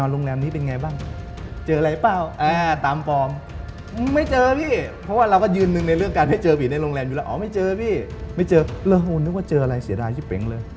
แล้วผมนึกว่าเจออะไรเสียดายชิบเป๋งเลย